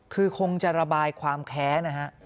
คือคงจะระบายความแค้นนะฮะ